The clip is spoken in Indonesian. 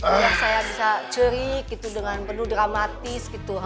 biar saya bisa curi gitu dengan penuh dramatis gitu